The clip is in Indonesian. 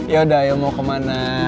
yaudah mau kemana